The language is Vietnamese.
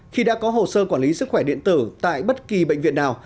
khi đã có hồ sơ quản lý sức khỏe điện tử tại bất kỳ bệnh viện nào